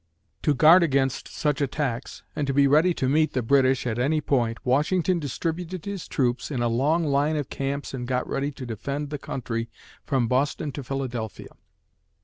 To guard against such attacks, and to be ready to meet the British at any point, Washington distributed his troops in a long line of camps and got ready to defend the country from Boston to Philadelphia.